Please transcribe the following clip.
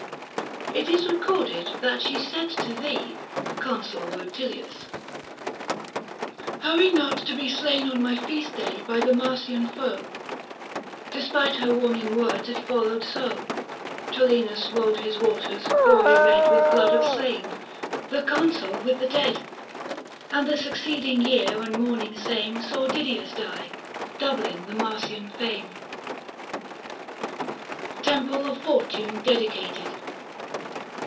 It is recorded that she said to thee, Consul Kutilius, " Hurry not to be Slain on my feast day by the Marsian foe ;" Despite her warning words it followed so. Tolenus rolled his waters gory red With blood of slain, the Consul with the dead ; And the succeeding year and morning same Saw Didius die, doubling the Marsian fame. 680 198 THE FASTI. Book VI. TEMPLE OF FORTUNE DEDICATED.